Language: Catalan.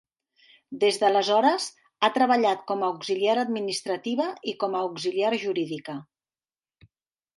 Des d'aleshores, ha treballat com a auxiliar administrativa i com a auxiliar jurídica.